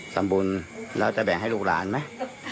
ทำบุญแล้วจะแบ่งให้ลูกหลานไหม